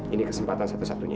ini kesempatan satu satunya